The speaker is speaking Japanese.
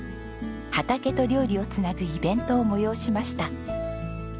畑と料理を繋ぐイベントを催しました。